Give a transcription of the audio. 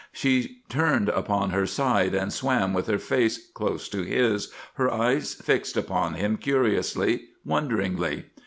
She turned upon her side and swam with her face close to his, her eyes fixed upon him curiously, wonderingly.